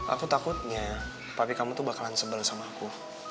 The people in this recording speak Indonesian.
aku takutnya papi kamu tuh bakalan sebel sama aku